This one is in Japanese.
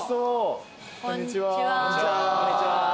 こんにちは。